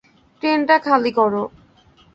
ট্রেনটা খালি করো।